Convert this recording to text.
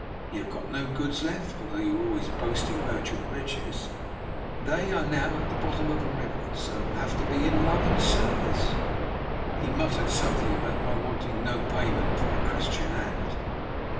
You have got no goods left, although you were always boasting about your riches; they are now at the bottom of a river, so it will have to be in love and service." He muttered something about my wanting no payment for a Christian act.